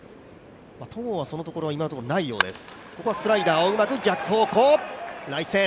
戸郷はそれは今のところ、ないようです。